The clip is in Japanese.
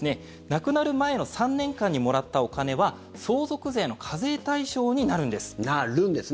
亡くなる前の３年間にもらったお金は相続税の課税対象になるんです。